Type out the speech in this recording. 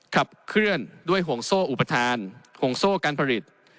ขับเคลื่อนด้วยห่วงโซ่อุปทานห่วงโซ่การผลิต